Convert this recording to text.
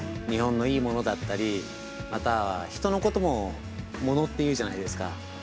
日本のいいものだったり、または人のこともものというじゃないんですか。